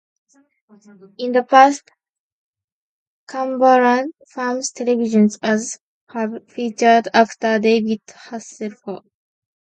In the past, Cumberland Farms television ads have featured actor David Hasselhoff.